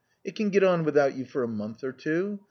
It can get on without you for a month or two.